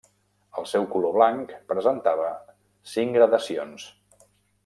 El seu color blanc presentava cinc gradacions.